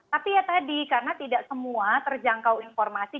tapi ya tadi karena tidak semua terjangkau informasi